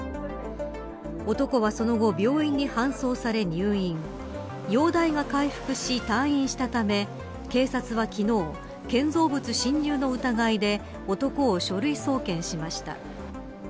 男はその後病院に搬送され、入院容体が回復し退院したため警察は昨日、建造物侵入の疑いで男を書類送検しました。